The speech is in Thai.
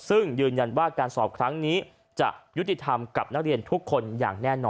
ซึ่งยืนยันว่าการสอบครั้งนี้จะยุติธรรมกับนักเรียนทุกคนอย่างแน่นอน